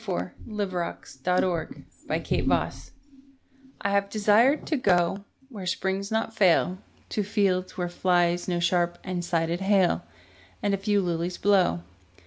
HOPWOOD I HAVE DESIRED TO GO I HAVE desired to go Where springs not fail, To fields where flies no sharp and sided hail, And a few lilies blow.